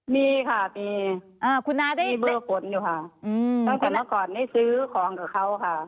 มีค่ะมีเบอร์ฝนอยู่ค่ะตั้งแต่เมื่อก่อนไม่ซื้อของกับเขาค่ะ